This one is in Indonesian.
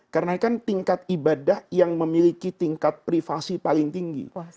karena kan tingkat ibadah yang memiliki tingkat privasi paling tinggi